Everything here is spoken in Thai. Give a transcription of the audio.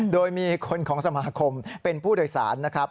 โดยมีคนของสมาคมเป็นผู้โดยสารนะครับ